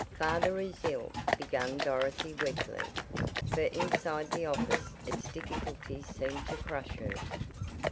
"Father is ill," began Dorothy weakly, for inside the office its difficulties seemed to crush her.